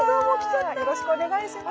よろしくお願いします。